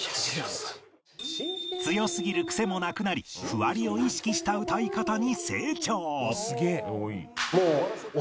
強すぎるクセもなくなり譜割りを意識した歌い方に成長